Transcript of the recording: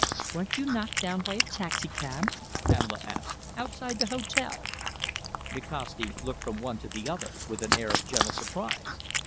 "Weren't you knocked down by a taxicab," Pamela asked, "outside the hotel?" Nikasti looked from one to the other with an air of gentle surprise.